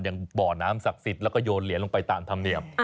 บ่อน้ำศักดิ์สิทธิ์แล้วก็โยนเหรียญลงไปตามธรรมเนียม